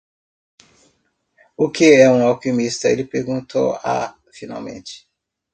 "O que é um alquimista?", ele perguntou a? finalmente.